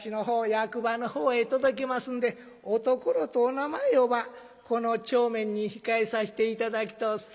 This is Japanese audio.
役場の方へ届けますんでおところとお名前をばこの帳面に控えさせて頂きとおす。